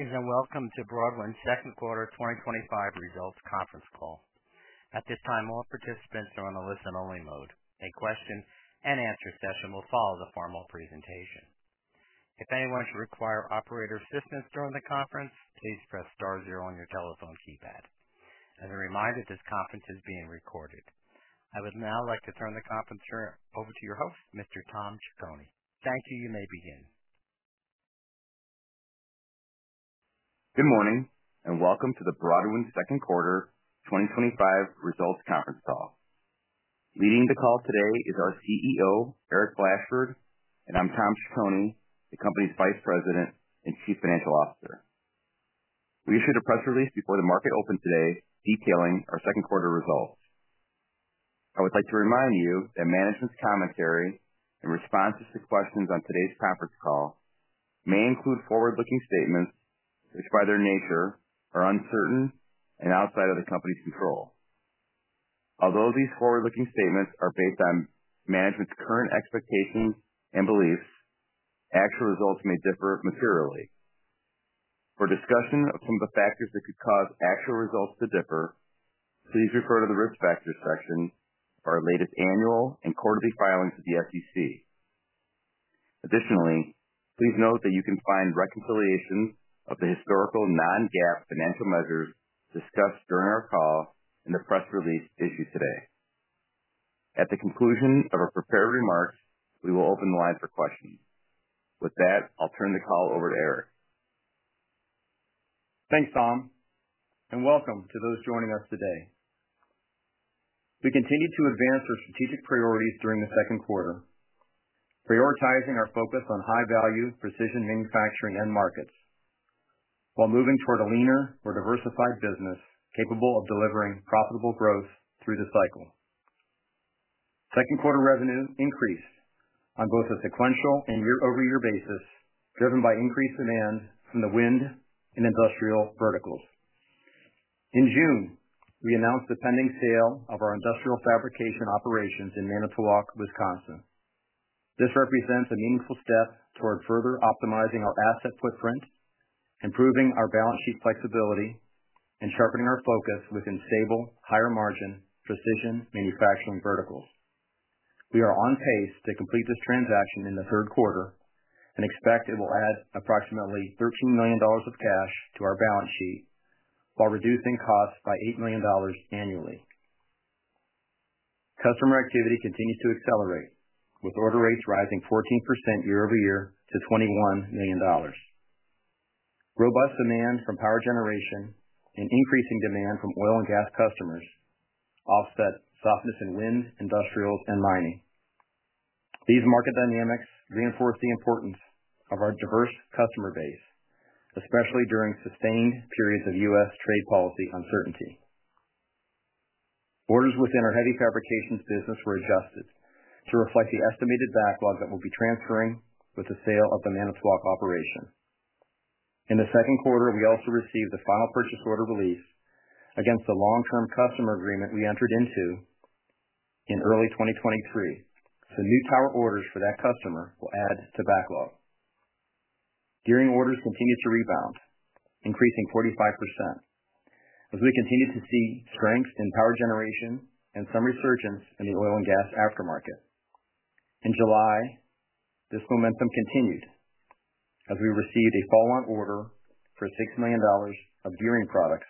Please welcome to Broadwind's Second Quarter 2025 Results Conference Call. At this time, all participants are on a listen-only mode. A question and answer session will follow the formal presentation. If anyone should require operator assistance during the conference, please press star zero on your telephone keypad. A reminder, this conference is being recorded. I would now like to turn the conference over to your host, Mr. Tom Ciccone. Thank you. You may begin. Good morning and welcome to Broadwind's Second Quarter 2025 Results Conference Call. Leading the call today is our CEO, Eric Blashford, and I'm Tom Ciccone, the company's Vice President and Chief Financial Officer. We issued a press release before the market opened today detailing our Second Quarter results. I would like to remind you that management's commentary in response to six questions on today's conference call may include forward-looking statements which, by their nature, are uncertain and outside of the company's control. Although these forward-looking statements are based on management's current expectations and beliefs, actual results may differ materially. For discussion of some of the factors that could cause actual results to differ, please refer to the Risk Factors section of our latest annual and quarterly filings with the SEC. Additionally, please note that you can find reconciliations of the historical non-GAAP financial measures discussed during our call in the press release issued today. At the conclusion of our prepared remarks, we will open the line for questions. With that, I'll turn the call over to Eric. Thanks, Tom, and welcome to those joining us today. We continue to advance our strategic priorities during the Second Quarter, prioritizing our focus on high-value precision manufacturing end markets while moving toward a leaner, more diversified business capable of delivering profitable growth through the cycle. Second Quarter revenue increased on both a sequential and year-over-year basis, driven by increased demand from the wind and industrial verticals. In June, we announced the pending sale of our industrial fabrication operations in Manitowoc, Wisconsin. This represents a meaningful step toward further optimizing our asset footprint, improving our balance sheet flexibility, and sharpening our focus within stable, higher-margin precision manufacturing verticals. We are on pace to complete this transaction in the Third Quarter and expect it will add approximately $13 million of cash to our balance sheet while reducing costs by $8 million annually. Customer activity continues to accelerate, with order rates rising 14% year-over-year to $21 million. Robust demand from power generation and increasing demand from oil and gas customers offset softness in wind, industrial, and mining. These market dynamics reinforce the importance of our diverse customer base, especially during sustained periods of U.S. trade policy uncertainty. Orders within our heavy fabrications business were adjusted to reflect the estimated backlog that will be transcurred with the sale of the Manitowoc operation. In the Second Quarter, we also received the final purchase order release against the long-term customer agreement we entered into in early 2023, so new tower orders for that customer will add to backlog. Gearing orders continue to rebound, increasing 45% as we continue to see strength in power generation and some resurgence in the oil and gas aftermarket. In July, this momentum continued as we received a follow-on order for $6 million of gearing products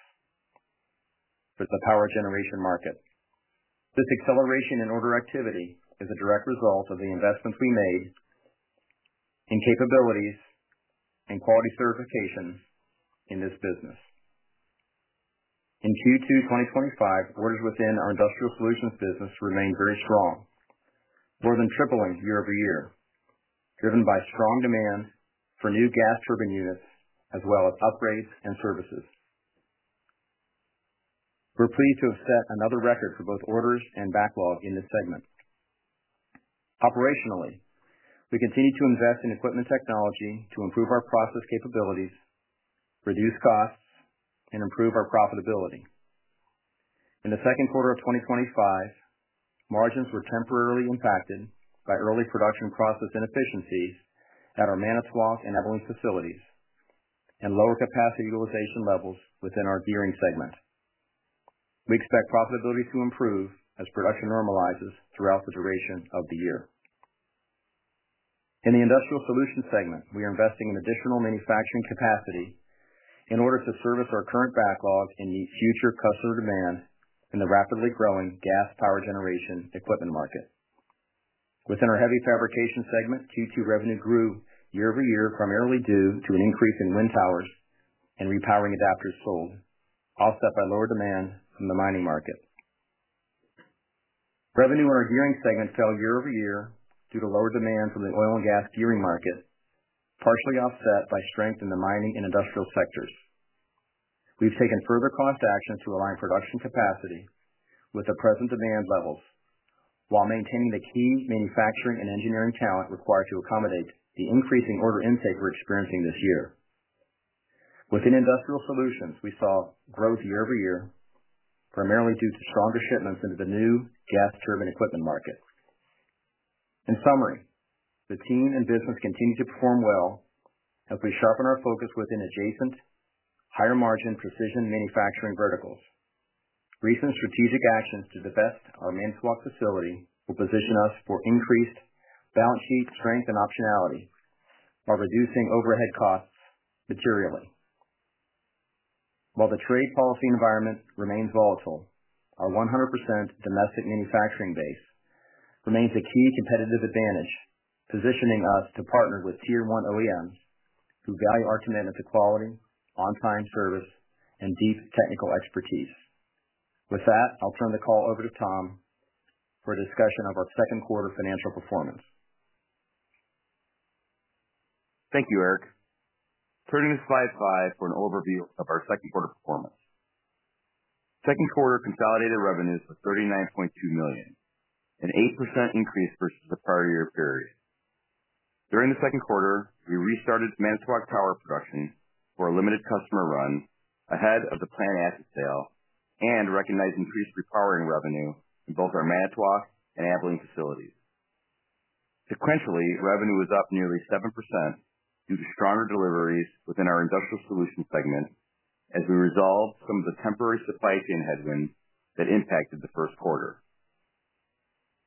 for the power generation market. This acceleration in order activity is a direct result of the investments we made in capabilities and quality certifications in this business. In Q2 2025, orders within our industrial solutions business remain very strong, more than tripling year-over-year, driven by strong demand for new gas turbine units as well as upgrades and services. We're pleased to have set another record for both orders and backlog in this segment. Operationally, we continue to invest in equipment technology to improve our process capabilities, reduce costs, and improve our profitability. In the Second Quarter of 2025, margins were temporarily impacted by early production process inefficiencies at our Manitowoc and Ewen facilities and lower capacity utilization levels within our gearing segment. We expect profitability to improve as production normalizes throughout the duration of the year. In the industrial solutions segment, we are investing in additional manufacturing capacity in order to service our current backlog and meet future customer demand in the rapidly growing gas power generation equipment market. Within our heavy fabrication segment, Q2 revenue grew year-over-year, primarily due to an increase in wind towers and wind repowering adapters sold, offset by lower demand in the mining market. Revenue in our gearing segment fell year-over-year due to lower demand from the oil and gas gearing market, partially offset by strength in the mining and industrial sectors. We've taken further cost actions to align production capacity with the present demand levels while maintaining the key manufacturing and engineering talent required to accommodate the increasing order intake we're experiencing this year. Within industrial solutions, we saw growth year-over-year, primarily due to stronger shipments into the new natural gas turbine equipment market. In summary, the team and business continue to perform well as we sharpen our focus within adjacent higher-margin precision manufacturing verticals. Recent strategic actions to divest our Manitowoc facility will position us for increased balance sheet strength and optionality while reducing overhead costs materially. While the trade policy environments remain volatile, our 100% domestic manufacturing base remains a key competitive advantage, positioning us to partner with Tier 1 OEMs who value our commitment to quality, on-time service, and deep technical expertise. With that, I'll turn the call over to Tom for a discussion of our Second Quarter financial performance. Thank you, Eric. Turning to slide five for an overview of our Second Quarter performance. Second Quarter consolidated revenues of $39.2 million, an 8% increase versus the prior year period. During the Second Quarter, we restarted Manitowoc tower production for a limited customer run ahead of the planned asset sale and recognized increased repowering revenue in both our Manitowoc and Ewen facilities. Sequentially, revenue was up nearly 7% due to stronger deliveries within our industrial solutions segment as we resolved some of the temporary supply chain headwinds that impacted the First Quarter.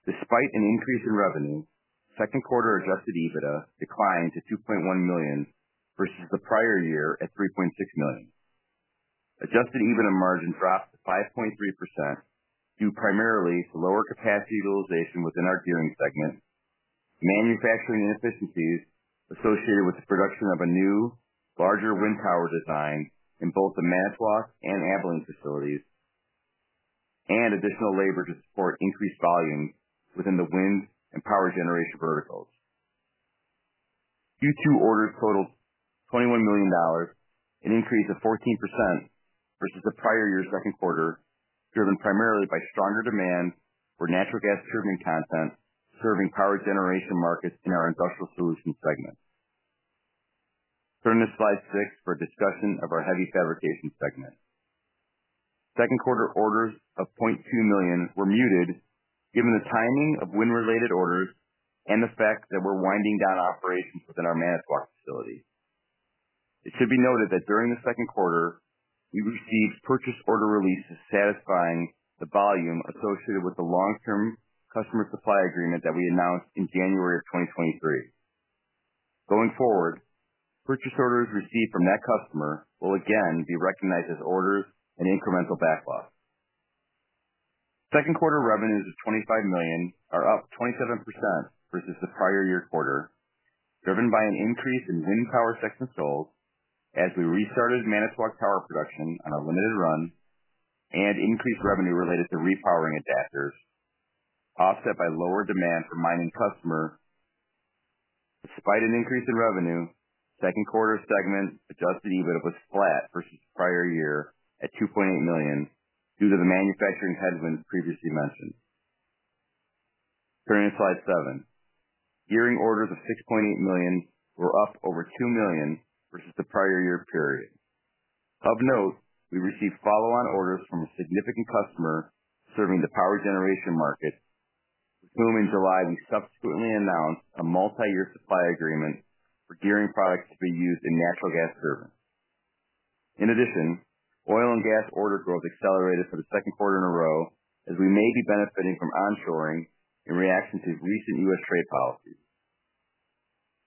Despite an increase in revenue, Second Quarter adjusted EBITDA declined to $2.1 million versus the prior year at $3.6 million. Adjusted EBITDA margin dropped to 5.3% due primarily to lower capacity utilization within our gearing segment, manufacturing inefficiencies associated with the production of a new larger wind power design in both the Manitowoc and Ewen facilities, and additional labor to support increased volumes within the wind and power generation verticals. Q2 orders totaled $21 million, an increase of 14% versus the prior year's Second Quarter, driven primarily by stronger demand for natural gas turbine equipment serving power generation markets in our industrial solutions segment. Turning to slide six for a discussion of our heavy fabrications segment. Second Quarter orders of $0.2 million were muted given the timing of wind-related orders and the fact that we're winding down operations within our Manitowoc facility. It should be noted that during the Second Quarter, we received purchase order releases satisfying the volume associated with the long-term customer supply agreement that we announced in January of 2023. Going forward, purchase orders received from that customer will again be recognized as orders and incremental backlog. Second Quarter revenues of $25 million are up 27% versus the prior year quarter, driven by an increase in wind power sections sold as we restarted Manitowoc tower production on a limited run and increased revenue related to wind repowering adapters, offset by lower demand from mining customers. Despite an increase in revenue, Second Quarter segment adjusted EBITDA was flat versus the prior year at $2.8 million due to the manufacturing headwinds previously mentioned. Turning to slide seven, gearing product orders of $6.8 million were up over $2 million versus the prior year period. Of note, we received follow-on orders from a significant customer serving the power generation market, with whom in July we subsequently announced a multi-year supply agreement for gearing products to be used in natural gas turbines. In addition, oil and gas order growth accelerated for the Second Quarter in a row as we may be benefiting from onshoring in reaction to recent U.S. trade policies.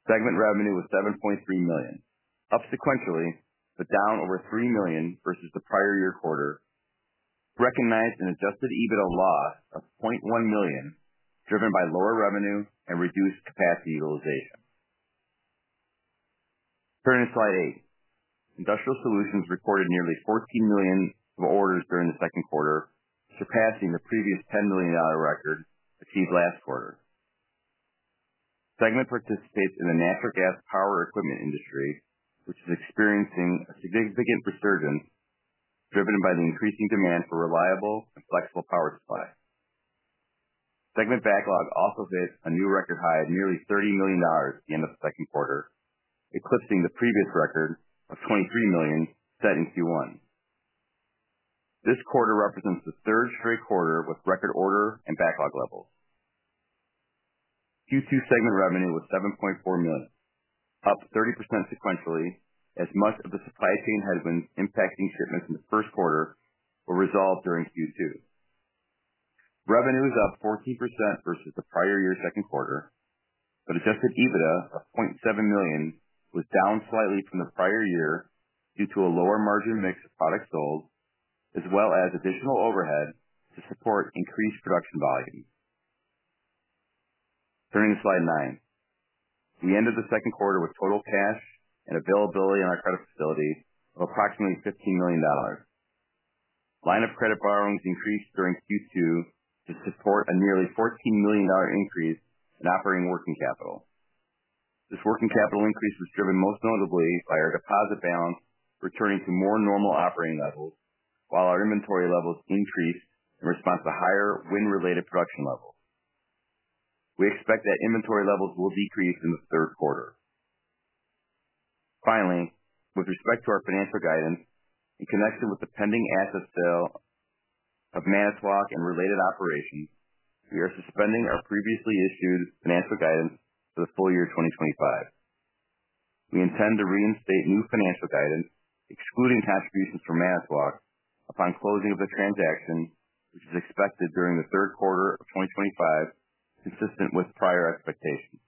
Segment revenue was $7.3 million, up sequentially, but down over $3 million versus the prior year quarter, recognized an adjusted EBITDA loss of $0.1 million driven by lower revenue and reduced capacity utilization. Turning to slide eight, industrial solutions recorded nearly $14 million of orders during the Second Quarter, surpassing the previous $10 million record achieved last quarter. Segment participates in the natural gas power equipment industry, which is experiencing a significant resurgence driven by the increasing demand for reliable and flexible power supply. Segment backlog also faced a new record high of nearly $30 million at the end of the Second Quarter, eclipsing the previous record of $23 million set in Q1. This quarter represents the third straight quarter with record order and backlog levels. Q2 segment revenue was $7.4 million, up 30% sequentially, as much of the supply chain headwinds impacting shipments in the First Quarter were resolved during Q2. Revenue was up 14% versus the prior year's Second Quarter, but adjusted EBITDA of $0.7 million was down slightly from the prior year due to a lower margin mix of products sold, as well as additional overhead to support increased production volume. Turning to slide nine, the end of the Second Quarter with total cash and availability on our credit facility of approximately $15 million. Line of credit borrowings increased during Q2 to support a nearly $14 million increase in operating working capital. This working capital increase was driven most notably by our deposit balance returning to more normal operating levels, while our inventory levels increased in response to higher wind-related production levels. We expect that inventory levels will decrease in the Third Quarter. Finally, with respect to our financial guidance in connection with the pending asset sale of Manitowoc and related operations, we are suspending our previously issued financial guidance for the full year 2025. We intend to reinstate new financial guidance, excluding contributions from Manitowoc upon closing of the transaction, which is expected during the Third Quarter of 2025, consistent with prior expectations.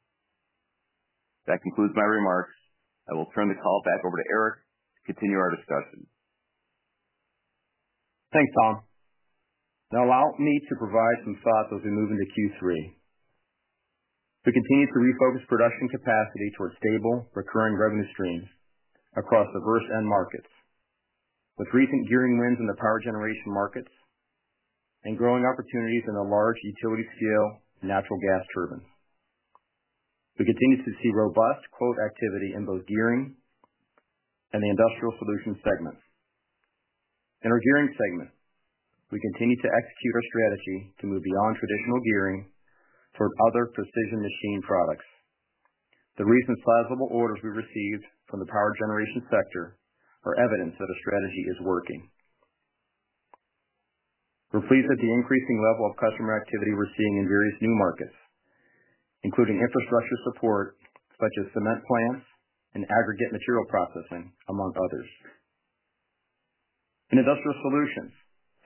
That concludes my remarks. I will turn the call back over to Eric to continue our discussion. Thanks, Tom. Now allow me to provide some thought as we move into Q3. We continue to refocus production capacity towards stable, recurring revenue streams across diverse end markets, with recent gearing wins in the power generation markets and growing opportunities in the large utility-scale natural gas turbine. We continue to see robust quote activity in both gearing and the industrial solutions segments. In our gearing segment, we continue to execute our strategy to move beyond traditional gearing toward other precision machine products. The recent sizable orders we received from the power generation sector are evidence that the strategy is working. We're pleased at the increasing level of customer activity we're seeing in various new markets, including infrastructure support, such as cement plants and aggregate material processing, among others. In industrial solutions,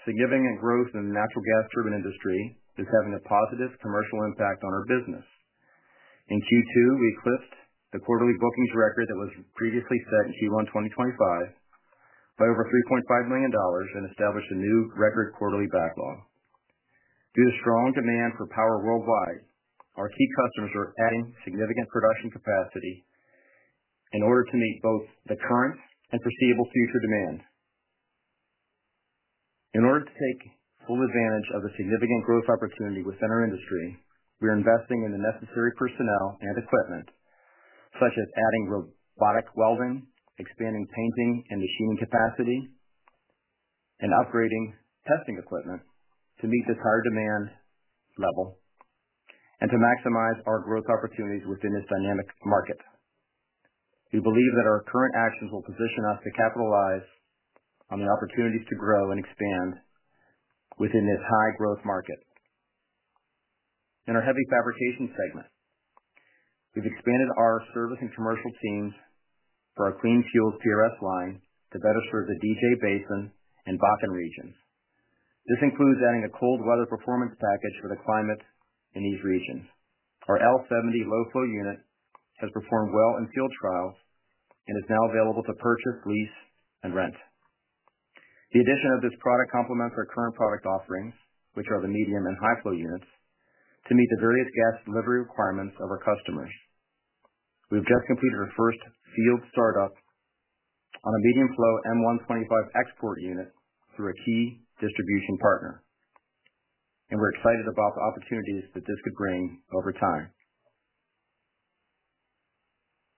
significant growth in the natural gas turbine industry is having a positive commercial impact on our business. In Q2, we clipped the quarterly bookings record that was previously set in Q1 2025 by over $3.5 million and established a new record quarterly backlog. Due to strong demand for power worldwide, our key customers are adding significant production capacity in order to meet both the current and foreseeable future demand. In order to take full advantage of the significant growth opportunity within our industry, we are investing in the necessary personnel and equipment, such as adding robotic welding, expanding painting and machining capacity, and upgrading testing equipment to meet the current demand level and to maximize our growth opportunities within this dynamic market. We believe that our current actions will position us to capitalize on the opportunities to grow and expand within this high-growth market. In our heavy fabrication segment, we've expanded our service and commercial teams for our clean fuel TRF line to better serve the DJ Basin and Bakken regions. This includes adding a cold weather performance package for the climates in these regions. Our L70 low flow unit has performed well in field trials and is now available to purchase, lease, and rent. The addition of this product complements our current product offerings, which are the medium and high flow units, to meet the various gas delivery requirements of our customers. We've just completed our first field startup on a medium flow M125 export unit through a key distribution partner, and we're excited about the opportunities that this could bring over time.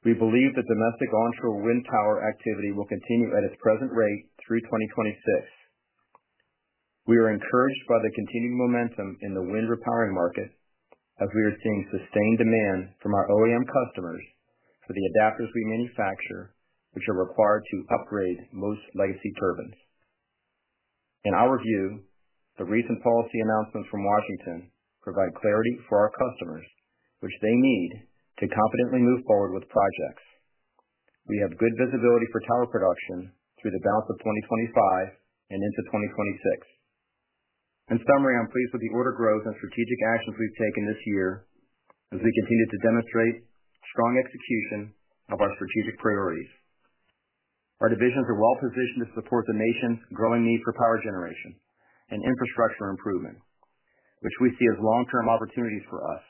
We believe that domestic onshore wind power activity will continue at its present rate through 2026. We are encouraged by the continued momentum in the wind repowering market, as we are seeing sustained demand from our OEM customers for the adapters we manufacture, which are required to upgrade most legacy turbines. In our view, the recent policy announcements from Washington provide clarity for our customers, which they need to competently move forward with projects. We have good visibility for tower production through the balance of 2025 and into 2026. In summary, I'm pleased with the order growth and strategic actions we've taken this year as we continue to demonstrate strong execution of our strategic priorities. Our divisions are well-positioned to support the nation's growing need for power generation and infrastructure improvement, which we see as long-term opportunities for us.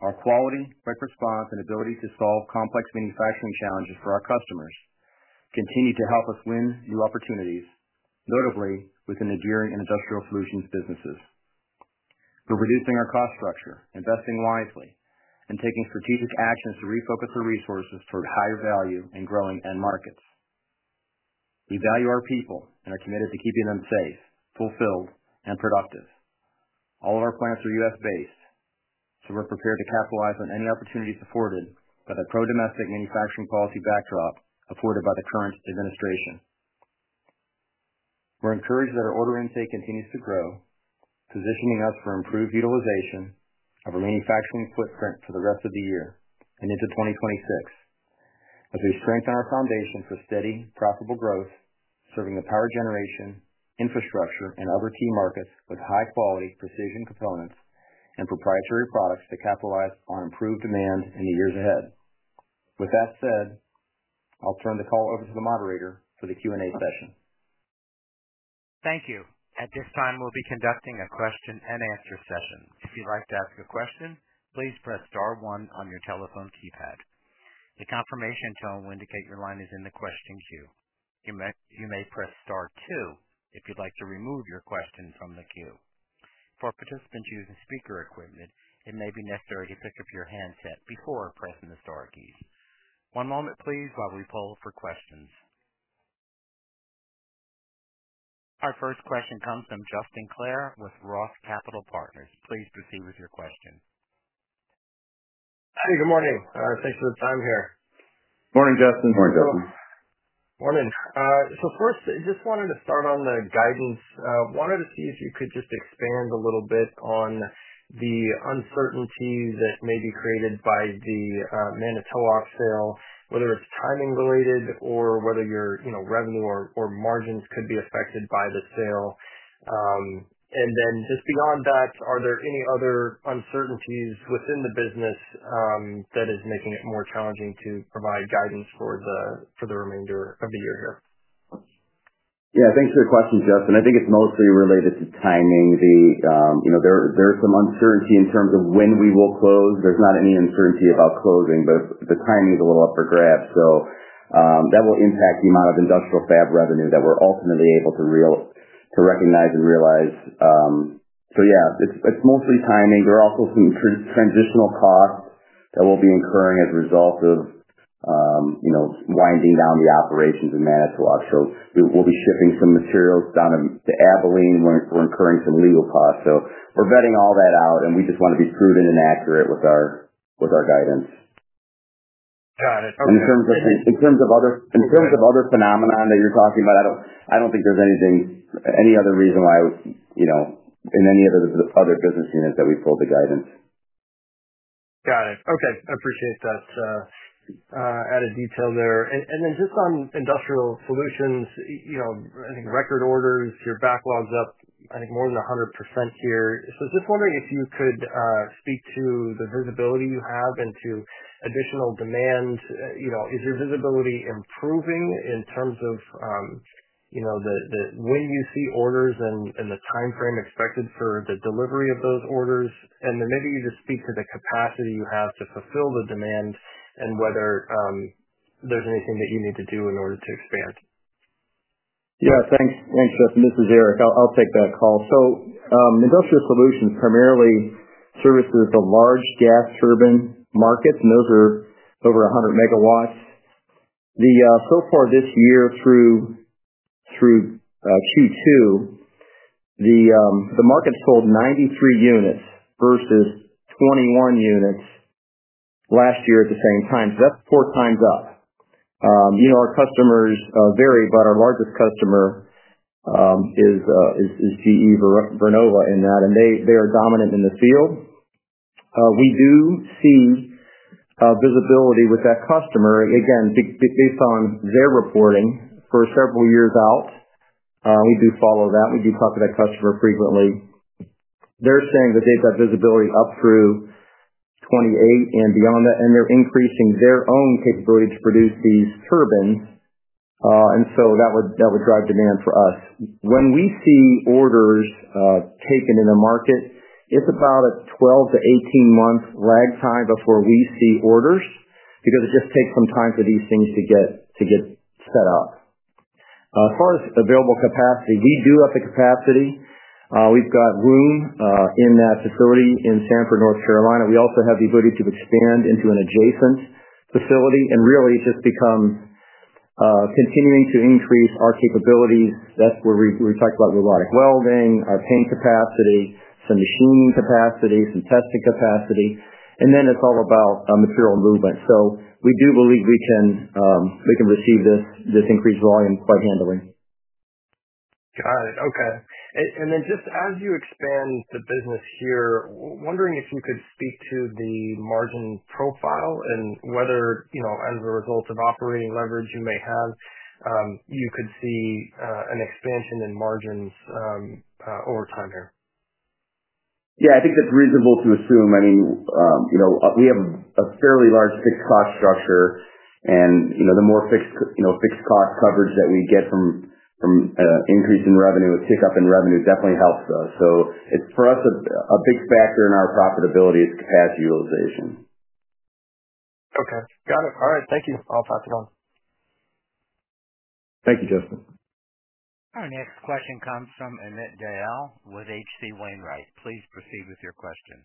Our quality, quick response, and ability to solve complex manufacturing challenges for our customers continue to help us win new opportunities, notably within the gearing and industrial solutions businesses. We're reducing our cost structure, investing wisely, and taking strategic actions to refocus our resources toward higher value and growing end markets. We value our people and are committed to keeping them safe, fulfilled, and productive. All of our plants are U.S. based, so we're prepared to capitalize on any opportunities afforded by the pro-domestic manufacturing policy backdrop afforded by the current administration. We're encouraged that our order intake continues to grow, positioning us for improved utilization of our manufacturing footprint for the rest of the year and into 2026, as we strengthen our foundation for steady, profitable growth, serving the power generation, infrastructure, and other key markets with high quality precision components and proprietary products to capitalize on improved demand in the years ahead. With that said, I'll turn the call over to the moderator for the Q&A session. Thank you. At this time, we'll be conducting a question and answer session. If you'd like to ask a question, please press star one on your telephone keypad. The confirmation tone will indicate your line is in the question queue. You may press star two if you'd like to remove your question from the queue. For participants using speaker equipment, it may be necessary to pick up your handset before pressing the star key. One moment, please, while we poll for questions. Our first question comes from Justin Clare with Roth Capital Partners. Please proceed with your question. Hey, good morning. Thanks for the time here. Morning, Justin. Morning, Justin. Morning. First, I just wanted to start on the guidance. I wanted to see if you could just expand a little bit on the uncertainty that may be created by the Manitowoc sale, whether it's timing related or whether your revenue or margins could be affected by the sale. Beyond that, are there any other uncertainties within the business that are making it more challenging to provide guidance for the remainder of the year here? Yeah, thanks for the question, Justin. I think it's mostly related to timing. There's some uncertainty in terms of when we will close. There's not any uncertainty about closing, but the timing is a little up for grabs. That will impact the amount of industrial fab revenue that we're ultimately able to recognize and realize. It's mostly timing. There are also some transitional costs that we'll be incurring as a result of winding down the operations in Manitowoc. We'll be shipping some materials down to Ewen, where we're incurring some legal costs. We're vetting all that out, and we just want to be prudent and accurate with our guidance. Got it. Okay. In terms of other phenomenon that you're talking about, I don't think there's anything, any other reason why I was in any of the other business units that we pulled the guidance. Got it. Okay. I appreciate that added detail there. Just on industrial solutions, I think record orders, your backlog's up, I think more than 100% here. I was just wondering if you could speak to the visibility you have into additional demand. Is your visibility improving in terms of when you see orders and the timeframe expected for the delivery of those orders? Maybe you could just speak to the capacity you have to fulfill the demand and whether there's anything that you need to do in order to expand. Yeah, thanks. Thanks, Justin. This is Eric. I'll take that call. Industrial solutions primarily services a large gas turbine market, and those are over 100 MW. So far this year through Q2, the market sold 93 units versus 21 units last year at the same time. That's four times up. Our customers vary, but our largest customer is GE Vernova in that, and they are dominant in the field. We do see visibility with that customer. Again, based on their reporting for several years out, we do follow that. We do talk to that customer frequently. They're saying that they've got visibility up through 2028 and beyond that, and they're increasing their own capability to produce these turbines. That would drive demand for us. When we see orders taken in the market, it's about a 12-18 month lag time before we see orders because it just takes some time for these things to get set up. As far as available capacity, we do have the capacity. We've got room in that facility in Sanford, North Carolina. We also have the ability to expand into an adjacent facility and really just continue to increase our capabilities. That's where we talked about robotic welding, our paint capacity, some machining capacity, some testing capacity. It's all about material movement. We do believe we can receive this increased volume quite well in the winter. Got it. Okay. As you expand the business here, wondering if you could speak to the margin profile and whether, you know, as a result of operating leverage you may have, you could see an expansion in margins over time here. Yeah, I think that's reasonable to assume. I mean, we have a fairly large fixed cost structure and the more fixed cost coverage that we get from increasing revenue with hiccup in revenue definitely helps us. For us, a big factor in our profitability is capacity utilization. Okay. Got it. All right. Thank you. I'll pass it on. Thank you, Justin. Our next question comes from Annette Jael with H.C. Wainwright. Please proceed with your question.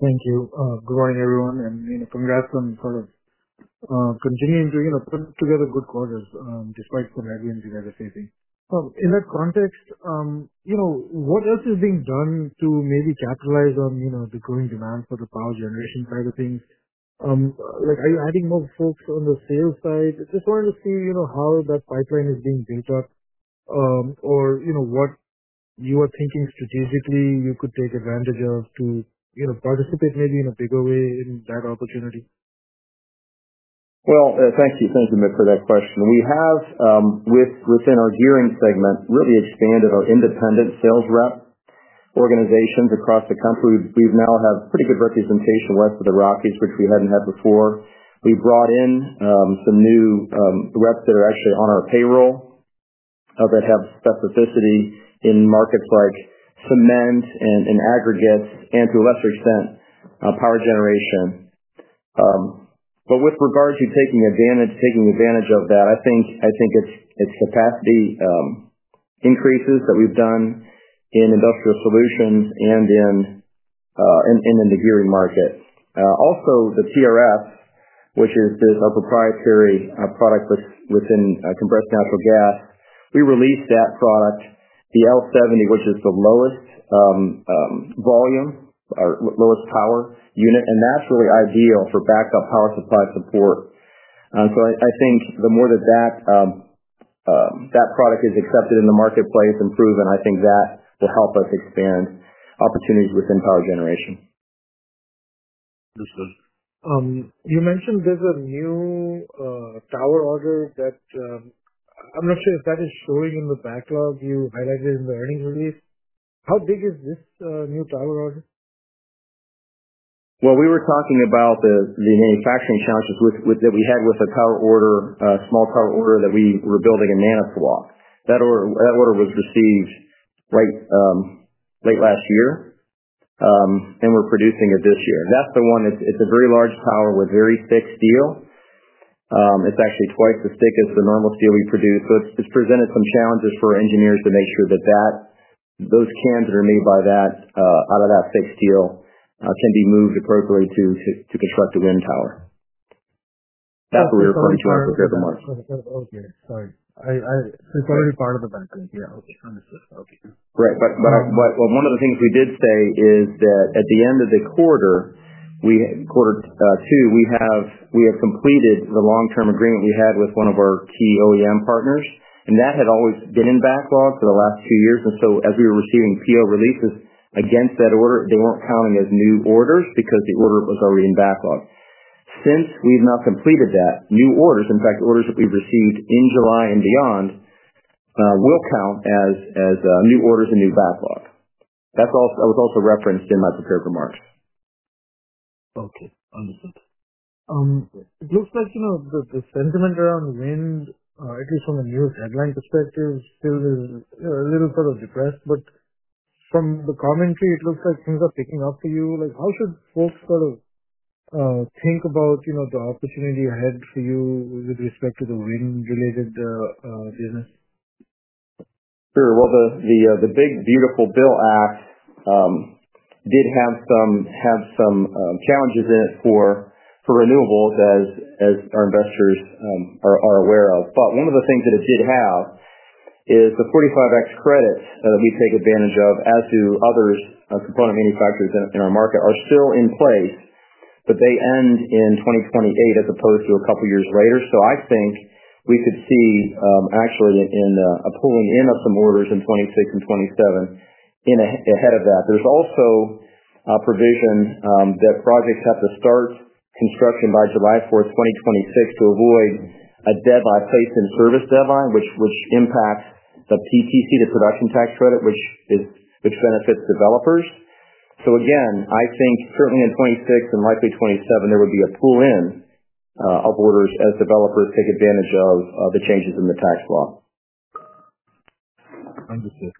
Thank you. Good morning, everyone. From your last one, sort of continuing to put together good quarters, despite some heavy injury that they're facing. In that context, what else is being done to maybe capitalize on the growing demand for the power generation side of things? Like, are you adding more folks on the sales side? It's important to see how that pipeline is being built up, or what you are thinking strategically you could take advantage of to participate maybe in a bigger way in that opportunity. Thank you. Thank you, Annette, for that question. We have, within our gearing segment, really expanded our independent sales rep organizations across the company. We now have pretty good representation west of the Rockies, which we hadn't had before. We brought in some new reps that are actually on our payroll, that have specificity in markets like cement and in aggregates and to a lesser extent, power generation. With regard to taking advantage of that, I think it's capacity increases that we've done in industrial solutions and in the gearing market. Also, the TRF, which is our proprietary product within compressed natural gas. We released that product, the L70, which is the lowest volume or lowest power unit, and that's really ideal for backup power supply support. I think the more that product is accepted in the marketplace and proven, I think that will help us expand opportunities within power generation. Yes, sir. You mentioned there's a new tower order that I'm not sure if that is fully in the backlog. You highlighted it in the earnings release. How big is this new tower order? We were talking about the manufacturing challenges that we had with a tower order, a small tower order that we were building in Manitowoc. That order was received late last year, and we're producing it this year. That's the one. It's a very large tower with very thick steel. It's actually twice as thick as the normal steel we produce. It has presented some challenges for engineers to make sure that those cans that are made out of that thick steel can be moved appropriately to construct a wind tower. That's what we were referring to, Eric, at the market. Okay. Sorry. It's already part of the pipeline. Yeah. Okay. Understood. Okay. Right. One of the things we did say is that at the end of the quarter, quarter two, we have completed the long-term agreement we had with one of our key OEM partners, and that had always been in backlog for the last few years. As we were receiving PO releases against that order, they weren't counting as new orders because the order was already in backlog. Since we've now completed that, new orders, in fact, orders that we've received in July and beyond, will count as new orders and new backlog. That's all that was also referenced in my prepared remarks. Okay. Understood. The sentiment around wind, at least from the news headline perspective, still is a little sort of depressed. From the commentary, it looks like things are picking up for you. How should folks sort of think about the opportunity ahead for you with respect to the wind-related business? Sure. The big beautiful bill act did have some challenges in it for renewables, as our investors are aware of. One of the things that it did have is the 45x credit that we take advantage of, as do others. Component manufacturers in our market are still in place, but they end in 2028 as opposed to a couple of years later. I think we could see actually a pulling in of some orders in 2026 and 2027. Ahead of that, there's also a provision that projects have to start construction by July 4, 2026 to avoid a placed in service deadline, which impacts the PTC, the Production Tax Credit, which benefits developers. I think certainly in 2026 and likely 2027, there would be a pull-in of orders as developers take advantage of the changes in the tax law. Understood.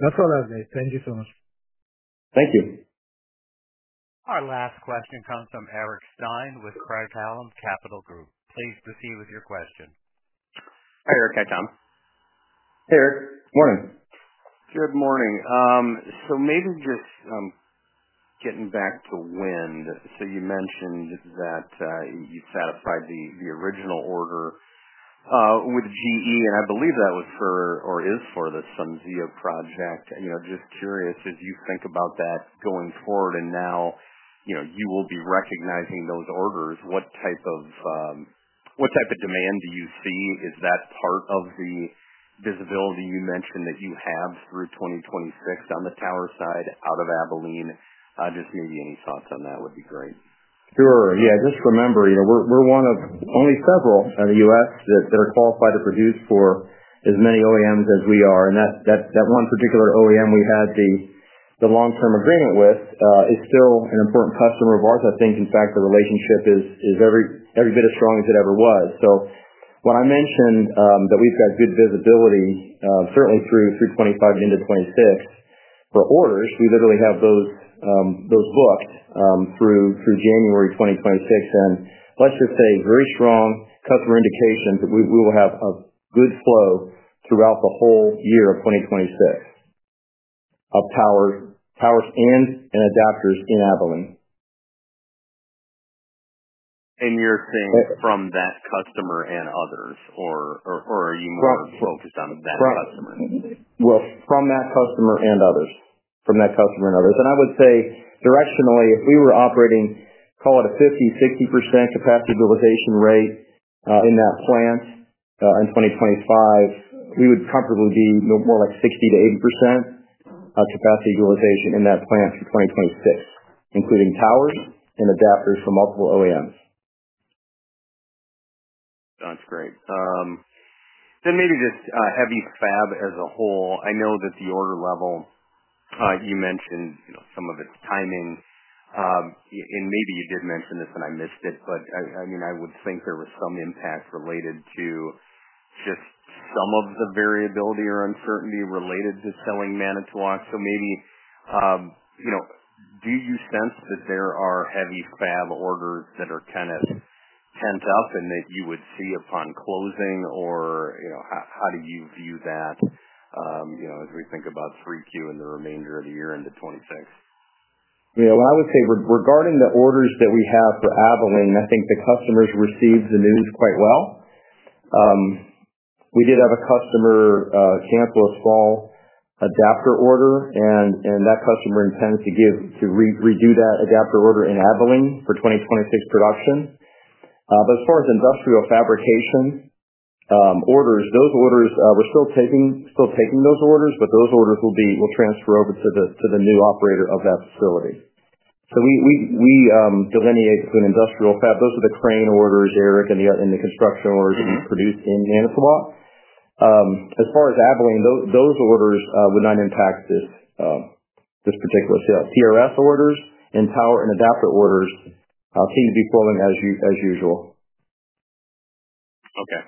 That's all I have today. Thank you so much. Thank you. Our last question comes from Eric Stein with Craig-Hallum Capital Group. Please proceed with your question. Hi, Eric. Hi, Tom. Eric, good morning. Good morning. Maybe just getting back to wind. You mentioned that you set up the original order with GE Vernova, and I believe that was for or is for the SunZia project. Just curious, as you think about that going forward and now you will be recognizing those orders, what type of demand do you see? Is that part of the visibility you mentioned that you have through 2026 on the tower side out of Abilene? Maybe any thoughts on that would be great. Sure. Just remember, we're one of only several in the U.S. that are qualified to produce for as many OEMs as we are. That one particular OEM we had the long-term agreement with is still an important customer of ours. I think, in fact, the relationship is every bit as strong as it ever was. When I mentioned that we've got good visibility, certainly through 2025 and into 2026 for orders, we literally have those booked through January 2026. Let's just say very strong customer indications that we will have a good flow throughout the whole year of 2026 of towers and adapters in Abilene. Are you saying from that customer and others, or are you more focused on that customer? From that customer and others. I would say directly to Noya, if we were operating, call it a 50%-60% capacity utilization rate in that plant in 2025, we would comfortably be more like 60%-80% capacity utilization in that plant in 2026, including towers and adapters from multiple OEMs. That's great. Then maybe just heavy fab as a whole. I know that the order level, you mentioned, you know, some of it's timing. Maybe you did mention this and I missed it, but I mean, I would think there was some impact related to just some of the variability or uncertainty related to selling Manitowoc. Maybe, you know, do you sense that there are heavy fab orders that are kind of tensed up and that you would see upon closing, or, you know, how do you view that as we think about 3Q and the remainder of the year into 2026? Yeah. I would say regarding the orders that we have for Abilene, I think the customers received the news quite well. We did have a customer cancel a small adapter order, and that customer intends to redo that adapter order in Abilene for 2026 production. As far as industrial fabrication orders, those orders, we're still taking those orders, but those orders will transfer over to the new operator of that facility. We delineate between industrial fab. Those are the crane orders, Eric, and the construction orders that we produce in Manitowoc. As far as Abilene, those orders would not impact this particular sale. TRF orders and tower and adapter orders seem to be flowing as usual. Okay.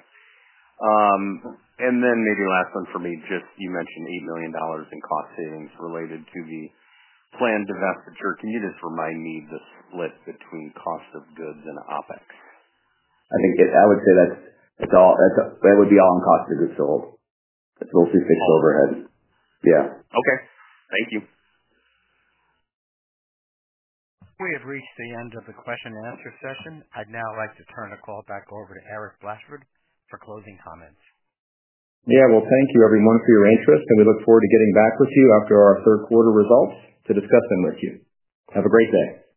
Maybe the last one for me, just you mentioned $8 million in cost savings related to the planned divestiture. Can you just remind me the split between cost of goods sold and OpEx? I think I would say that's all, that would be all in cost of goods sold. It's mostly fixed overhead. Yeah, okay. Thank you. We have reached the end of the question and answer session. I'd now like to turn the call back over to Eric Blashford for closing comments. Thank you, everyone, for your interest, and we look forward to getting back with you after our Third Quarter results to discuss them with you. Have a great day.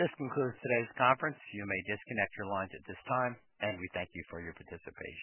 This concludes today's conference. You may disconnect your lines at this time, and we thank you for your participation.